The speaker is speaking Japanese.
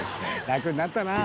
楽になったな。